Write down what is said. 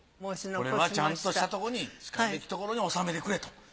これはちゃんとしたとこにしかるべきとこに収めてくれと？